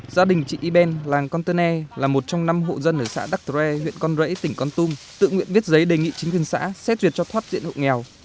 gia đình chị yben làng con tene là một trong năm hộ dân ở xã dr re huyện con rẫy tỉnh con tum tự nguyện viết giấy đề nghị chính quyền xã xét duyệt cho thoát diện hộ nghèo